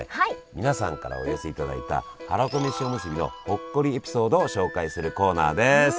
皆さんからお寄せいただいたはらこめしおむすびのほっこりエピソードを紹介するコーナーです。